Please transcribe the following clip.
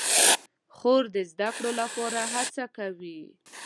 خور د زده کړو لپاره هڅه کوي.